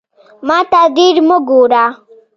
ماته ډیر مه ګوره